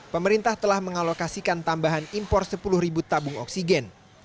pemerintah telah mengalokasikan tambahan impor sepuluh ribu tabung oksigen